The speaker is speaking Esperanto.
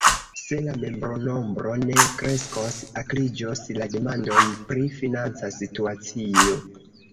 Se la membronombro ne kreskos, akriĝos la demandoj pri financa situacio.